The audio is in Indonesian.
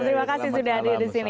terima kasih sudah ada disini